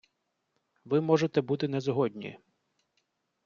Ви можете бути не згодні.